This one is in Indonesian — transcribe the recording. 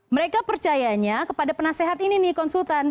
mereka percayanya kepada penasehat ini nih konsultan